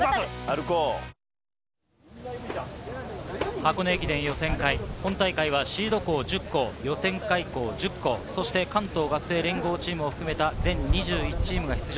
箱根駅伝予選会、今大会はシード校１０校、予選会通過校１０校、そして関東学生連合チームを含めた全２１チームが出場。